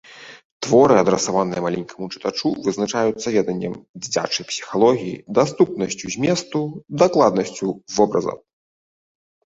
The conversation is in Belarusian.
Творы, адрасаваныя маленькаму чытачу, вызначаюцца веданнем дзіцячай псіхалогіі, даступнасцю зместу, дакладнасцю вобразаў.